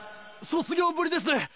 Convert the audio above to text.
卒業ぶりですね